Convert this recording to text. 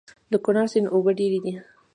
د کونړ سيند اوبه ډېرې دي